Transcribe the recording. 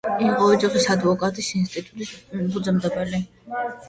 იყო ოჯახის ადვოკატის ინსტიტუტის ფუძემდებელი.